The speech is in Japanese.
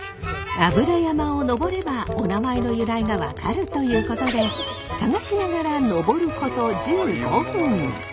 油山を登ればお名前の由来が分かるということで探しながら登ること１５分。